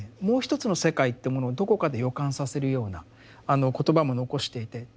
もう一つの世界ってものをどこかで予感させるような言葉も残していて。